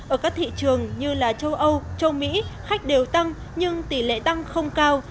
ở các thị trường như là châu âu châu mỹ khách đều tăng nhưng tỷ lệ tăng không cao